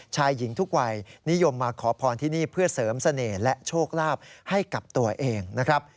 ชายหญิงทุกวัยนิยมมาขอพรที่นี่เพื่อเสริมเสน่ห์และโชคลาภให้กับตัวเองนะครับ